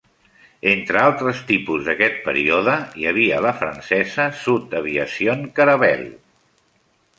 Entre altres tipus d'aquest període hi havia la francesa Sud Aviation Caravelle.